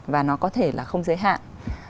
và nó có thể là không giới hạn